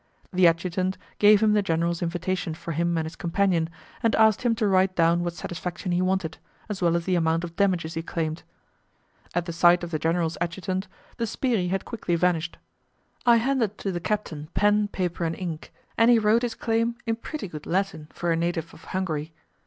The adjutant gave him the general's invitation for him and his companion, and asked him to write down what satisfaction he wanted, as well as the amount of damages he claimed. At the sight of the general's adjutant, the 'sbirri' had quickly vanished. I handed to the captain pen, paper and ink, and he wrote his claim in pretty good Latin for a native of Hungary.